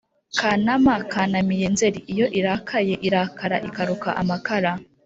Kanama kanamiye Nzeri Iyo irakaye irakara ikaruka amakara